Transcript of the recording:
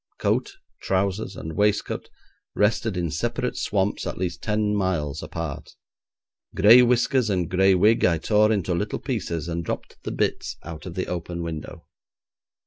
Coat, trousers, and waistcoat rested in separate swamps at least ten miles apart. Gray whiskers and gray wig I tore into little pieces, and dropped the bits out of the open window.